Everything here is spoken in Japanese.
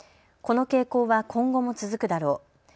この傾向は今後も続くだろう。